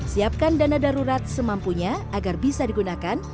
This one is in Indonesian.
siapkan dana darurat semampunya agar bisa digunakan